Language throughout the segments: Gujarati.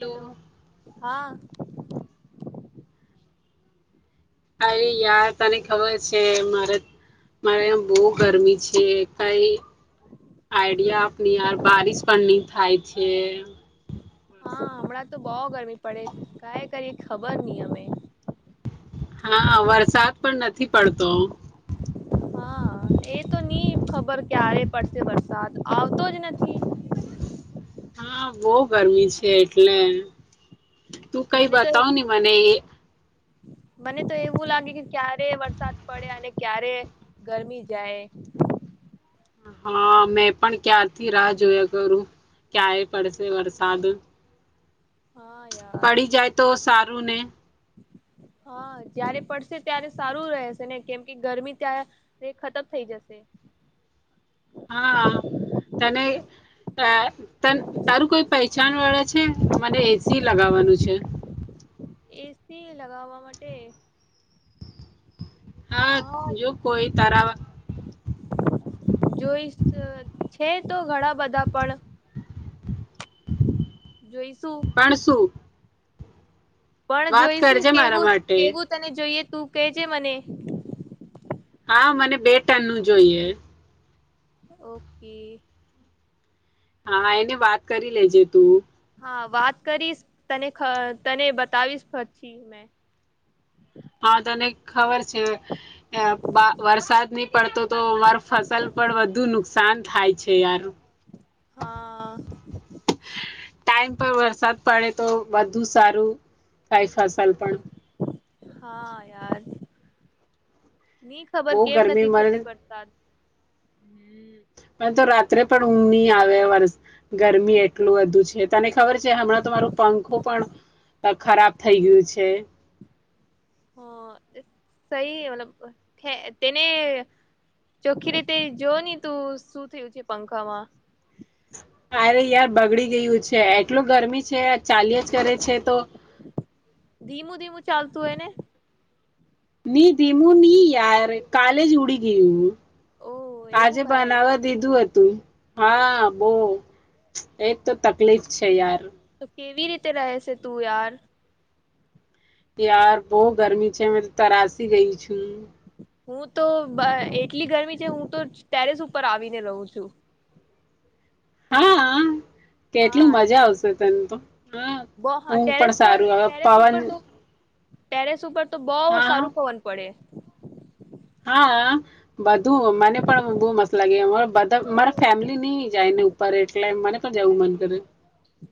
હેલો હા અરે યાર તને ખબર છે મારે મારે બહુ ગરમી છે કઈ આઈડિયા આપની યાર બારિશ પણ નઈ થાય છે હા હમણાં તો બહ ગરમી પડે કઈ કરી ખબર નહી અમે હા વરસાદ પણ નથી પડતો હા એ તો નહ ખબર ક્યારે પડશે વરસાદ આવતો જ નથી હા બહ ગરમી છે એટલે તું કઈ મને તો બતાવ નને મને એ મને તો એવું લાગે કે ક્યારે વરસાદ પડે અને ક્યારે ગરમી જાય હા મેં પણ ક્યારથી રાહ જોયા કરું ક્યાય પડશે વરસાદ હા યાર પડી જાય તો સા કરુંને હા જયારે પડશે ત્યારે સારું રહેશે ને કેમ કે ગરમી ત્યાં ખતમ થઈ જશે હા તને તારું કોઈ પહેચણ વાળા છે મને એ સી લગાવાનું છે એસી લગાવવા માટે હા, જો કોઈ તારા જો હે તો ઘણા બધા પણ જોઈસ. પણ સું? પણ જોઈશું મારા કેવું માટે કેવું તને જોઈએ? તું કેજે મને. હા મને બે ટન નું જોઈએ. ઓકે. હા એને વાત કરી લેજે તું. હા વાત કરીશ તને તને બતાવીશ પછી મે. હા તને ખબર છે. બા વરસાદની પડતો તો અમાર ફસલ પર વધુ નુકસાન થાય છે યાર. હા. ટાઈમ પર વરસાદ પડે તો બધુ સારું થાય ફસલ પણ. હા યાર. ની ખબર બહુ કેમ ગરમી નથી મને થતી વડસાદ. પણ તો રાત્રે પણ ઊંઘ નની આવે વર ગરમી એટલું વધુ છે. તને ખબર છે હમણાં તો મારું પંખો પણ ખરાબ થઈ ગયું છે. હ, સહી મતલબ તેને ચોખ્ખી રીતે જોવ ને તું શું થયું છે પંખામાં. અરે યાર બગડી ગયું છે એટલું ગરમી છે. ચાલ્યા જ કરે છે તો ધીમું ધીમું ચાલતું એને? ની દમું ની યાર કાલેજ ઉડી ગયું. ઓ એવું આજે કહે બનાવા દીધું હતું. હા બો એજ તો તકલીફ છે યાર. તો કેવી રીતે રહેશે તું યાર? યાર બહ ગરમી છે તરાસી ગઈ છું. હું તો એટલી ગરમી છે હું તો ટેરેસ ઉપર આવીને રહું છું. હા હ. કેટલું મજા આવશે. સંત. બ ટેરેસ પર ટેરેસ પવન ઉપર તો ટેરેસ ઉપર તો બહુ હા, સારું પવન પડે. હા, બધું મને પણ બહુ મસ્ત લાગે બધા મારા ફેમિલી નઈ જાય ને ઉપર એટલે મને પણ જવું મન કરે.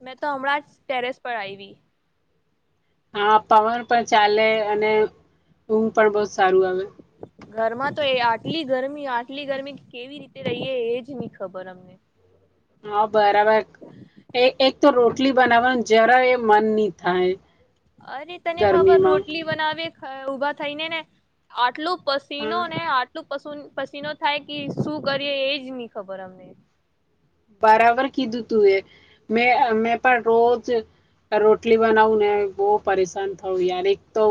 મેં તો હમણાં જ ટેરેસ પર આવી. હા પવન પણ ચાલે અને ઊંઘ પણ બહત સારું આવે. ઘરમાં તો એ આટલી ગરમી આટલી ગરમી કેવી રીતે રહીએ એજ નહી ખબર અમને. હા બરાબર એ એક તો રોટલી બનાવવાનું જરા એ મન નહ થાય. અરે તને ખબર ગરમીમાં રોટલી બનાવે ખ ઉભા થઈ ને ને આટલું હા પસીનો ને આટલું પશુન પસીનો થાય કે શું કરીએ એજ ની ખબર અમને. બારાબર કીધું તું એ મેઅ મેં પણ રોજ રોટલી બનાવું ને બહુ પરેશાન થવું યાર એક તો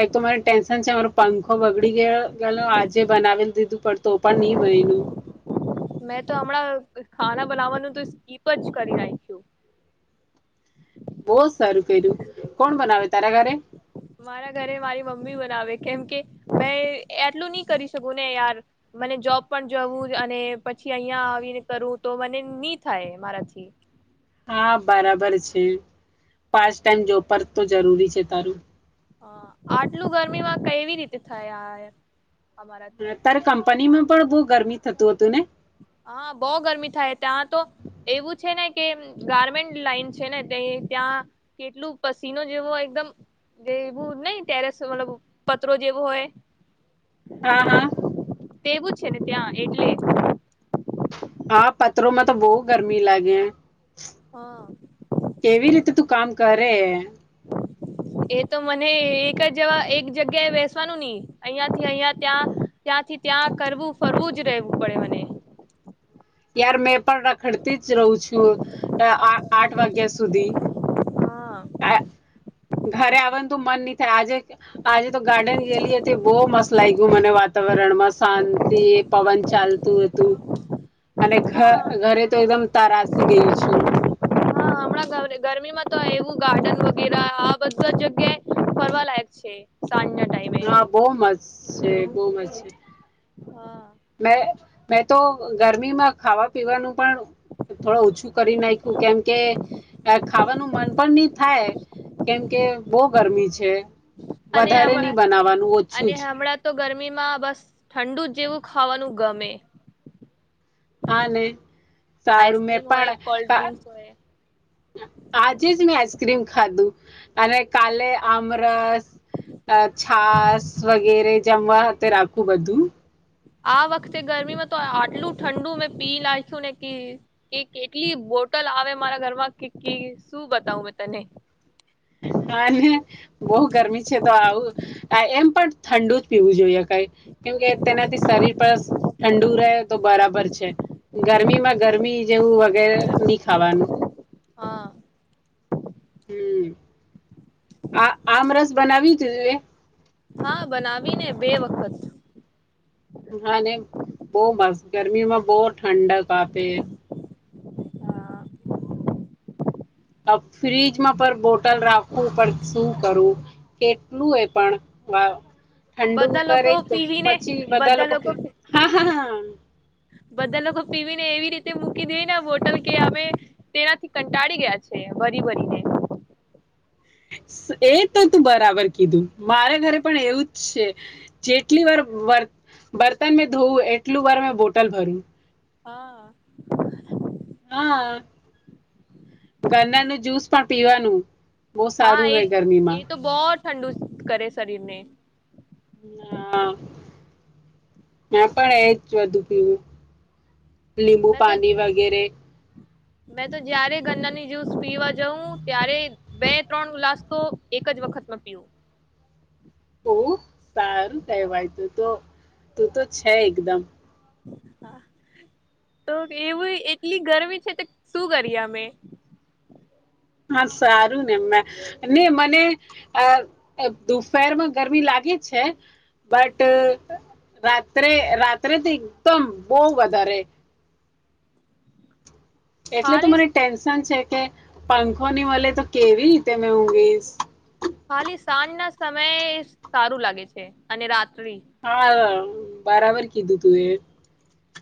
એક તો મને ટેન્શન છે મારો પંખો બગડી ગયો ગેલો આજે બનાવી દીધું પડતું પણ નહી ગયેલું ખાવા બનાવાનું તો સ્પીકજ કરી નાખ્યું. બઉ સારું કર્યું કોણ બનાવે તારા ઘરે મારા ઘરે મારી મમ્મી બનાવે કેમ કે મે એટલું ની કરી શકું ને યાર મને જોબ પણ જવું અને પછી અહીંયા આવીને કરું તો મને ની થાય મારાથી. હા બારાબર છે પાચ ટાઈમ જોબ પર તો જરૂરી છે તારું. હા આટલું ગરમીમાં કેવી રીતે થાય યાર. દ તારે કંપનીમાં પણ બઉ ગરમી થતું હતું ને હા બઉ ગરમી થાય ત્યાં તો એવું છે ને કે ગારમેન્ટ લાઈન છે ને ત્યાં કેટલું પસીનો જેવો એકદમ જે એવું નઈ ટેરેસ મતલબ પતરો જેવો હોય. હા હા. તેવું જ છે ને ત્યાં એટલે હા પથરોમાં તો બઉ ગરમી લાગે. હા કેવી રીતે તું કામ કર હેં. એ તો મને એક જવા એક જગ્યાએ બેસવાનું ની અહિયાંથી અહિયા ત્યાં ત્યાંથી ત્યાં કરવું ફરવું જ રહેવું પડે મને. ત્યારમેં પણ રખડતી જ રહું છું આઠ વાગ્યા સુધી. હા ઘરે આવાનું તો મન ની આજે આજે તો ગાર્ડન ગેલી હતી બઉ મસ લાગ્યું મને વાતાવરણમાં શાંતિ એ પવન ચાલતું હતું અને ઘ હા ઘરે તો એકદમ તરાસી ગયું છે. ગરમીમાં તો એવું ગાર્ડન વગેરા આ બધા જગ્યાએ ફરવા લાયક છે સાંજે હા બઉ મસ્ત છે બઉ મસ્ત છે. હા. મે મેં તો ગરમીમાં ખાવા પીવાનું પણ થોડું ઓછું કરી નાખ્યું કેમકે ખાવાનું મન પણ ની થાય કેમકે બઉ ગરમી છે અને વધારે ની બનાવાનું ઓછું જ. ગરમી માં બસ ઠંડુ જેવું ખાવાનું ગમે હાલે સારું મેં આઈસ્ક્રીમ હોય પણ કોલ્ડ ડ્રિંક્સ હોય આજે જ મેં આઈસ્ક્રીમ ખાધું. અને કાલે આમરસ અ છાસ વગેરે જમવા હાતે રાખું બધું. આ વખતે ગરમીમાં તો આટલું ઠંડુ મેં પી લખ્યું ને કે કે કેટલી બોટલ આવે મારા ઘરમાં કે શું બતાવું મે તને હા બહ ગરમી છે તો આવું એમ પણ ઠંડુ જ પીવું જોઈએ કેમ કે તેનાથી શરીર પર ઠંડુ રહે તો બરાબર છે ગરમીમાં ગરમી જેવું વગેરે નહી ખાવાનું હા હમ આ આમરસ બનાવી દું એ હા બનાવીને બે વખત હા બહ મસ્ત ગરમીમાં બહુ ઠંડક આતે હે ફ્ર્રીજમાં પણ બોટલ રાખવું પણ શું કરું કેટલું એ પણ ઠંડુ બધા કરે લોકો તો પીવીને પછી બધા લોકો પી હ બધા લોકો પીવીને એવી રીતે મૂકી દેને બોટલ કે અમે તેનાથી કંટાળી ગયા છે ભરી ભરીને એ તો તું બરાબર કીધું મારા ઘરે પણ એવું જ છે જેટલી વાર બર્તન મેં ધોવું એટલું વાર મેં બોટલ ભરું હા હા ગરનાર નું જુસ પણ પીવાનું બહુ હા સારું એ રહે તો ગરમીમાં એ તો બહુ ઠંડુ કરે શરીરને હા ના પણ એજ વધુ પીવું લીંબુ મેં તો પાણી વગેરે મેં તો જયારે ગન્નાની જ્યુસ પીવા જઉં ત્યારે બે ત્રણ ઉલાસ તો એક જ વખતમાં પીું ઓ સારું કહેવાય તું તો તું તો છે એકદમ હા તો એવું એટલી ગરમી છે તો શું કરીએ અમે હા સારું ને એમ ને મને આ દપેરમાં ગરમી લાગે છે બટ રાત્રે રાત્રે તો એકદમ બહ વધારે એટલે તો ખાલી મરી ટેન્શન છે કે પંખો ની મળે તો કેવી રીતે મે ઊગીશ ખાલી સાંજ ના સમય સારું લાગે છે અને રાત હા બરાબર કીધું તું એ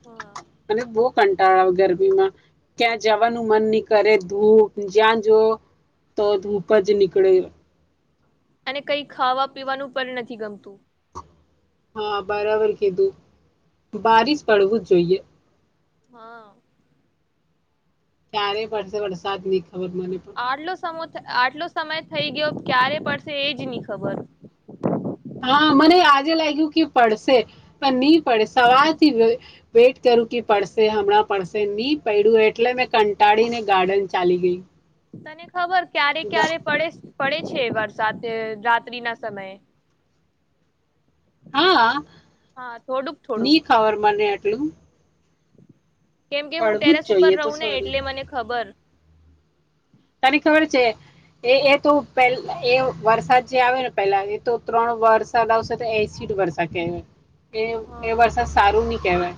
હા મને બહુ કંટાળા આવે ગરમીમાં ક્યાં જવાનું મન નહી કરે ધૂપ જ્યાં જવ તો ધૂપ જ નીકળે એને કઈ ખાવા પીવાનું પર નથી ગમતું હા બરાબર કીધું બારીશ પડવું જ જોઈએ હા ક્યારે પડશે વરસાદ ની આડલો સમો આટલો સમય થઇ ગયો ક્યારે પડશે એજ ની ખબર હા મને આજે લાયગુ કે પડશે પણ ની પડે સવાર થી વેટ કરું કે પડસે હમણાં પડસે ની પયડુ એટલે મેં કંટાળી ને ગાર્ડન ચાલી ગઈ તને ખબર ક્યારે ગા ક્યારે પડે પડે છે વરસાદ એ રાત્રિ ના સમયે હા હા થોડુંક થોડુંક ની ખબર મને હલુ કેમ કે હું ટેરેસ ઉપર જોઈએ તો રહું ને સારું એટલે મને ખબર તને ખબર છે એ એ તો પે એ વરસાદ જે આવે ને પેલા એ તો ત્રણ વરસાદ આવશે તો એસીડ વરસા કે એ એ હા વરસાદ સારું ની કેવાય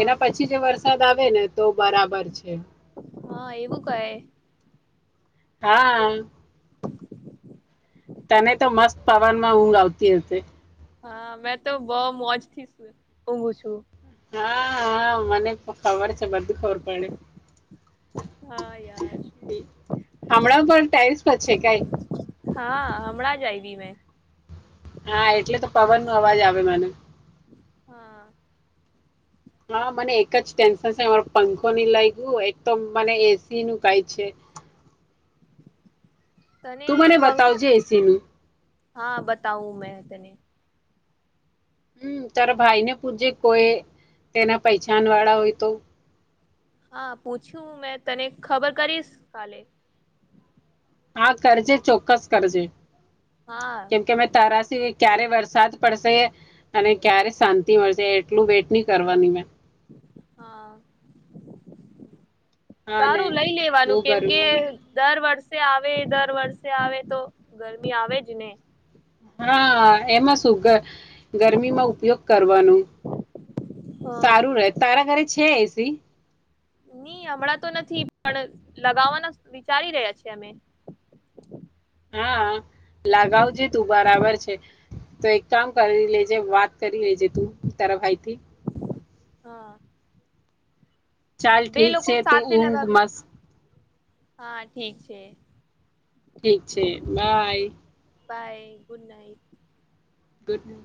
એના પછી જે વરસાદ આવે ને તો બરાબર છે હા એવું કહે હા તને તો મસ્ત પવન માં ઊંઘ આવતી હસે હા મેં તો બઉ મોજ થી સુએ, ઊઘું છું હા હા મને તો ખબર છ બધુ ખબર પડે, હા યાર હમણાં પણ ટેરસ છે કઈ હા હમણાં જ આવી મેં હા એટલે તો પવન નો અવાજ આવે મને હા હા મને એક જ ટેન્શન સે પંખો ની લાયગુ એક તો મને એસી નું કાઈ છે તને તું મને પંખા બતાવજે એસી નું હા બતાવું મે તને હમ તારા ભાઈને પૂછજે કોઈ તેના પૈચાન વાળા હોય તો હા પૂછ્યું મેં તને ખબર કરીશ કાલે હા કરજે ચોક્કસ કરજે હા કેમ કે અમે નક્કી તરાશે ક્યારે વરસાદ પડશે અને ક્યારે શાંત [unintelligible] એટલું વેટ ની કરવાની મેં હા, હા ને સારું લઈ બહુ લેવાનું કેમ કે ગરમી દર વર્ષ આવે દર વર્ષે આવે તો ગરમી આવે જ ને હા [unintelligible] ગરમીમાં ઉપયોગ કરવાનું હા સારું રહે તારા ઘરે છે પક્ષી નહી હમણાં તો નથી પણ લગાવવાના વિચારી રહ્યા છે અમે હા લગાવજે તું બરાબર છે. તો એક કામ કરી લેજે વાત કરી લેજે તું તાર ભાઈ થી હા ચાલ બે ઠીક લોકો છે તું સાથે ઊઘ લગાવીએ. મસ્ત હા ઠીક છે ઠીક છે બાય બાય ગુડ નાઈટ ઘટનું